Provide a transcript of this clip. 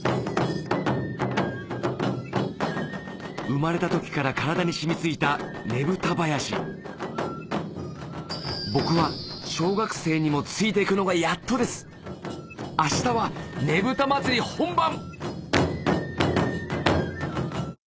生まれた時から体に染みついたねぶたばやし僕は小学生にもついていくのがやっとです明日はねぶた祭り本番！